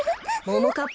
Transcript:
ももかっぱ。